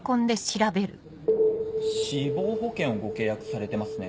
死亡保険をご契約されてますね。